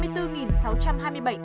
đồng nai hai mươi chín bốn trăm hai mươi ca